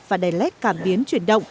và đầy lét cảm biến chuyển động